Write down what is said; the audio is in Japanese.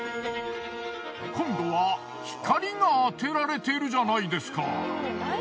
今度は光が当てられてるじゃないですか。